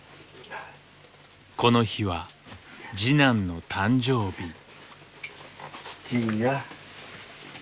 この日は次男の誕生日。